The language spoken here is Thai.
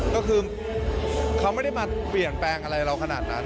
ก็คือเขาไม่ได้มาเปลี่ยนแปลงอะไรเราขนาดนั้น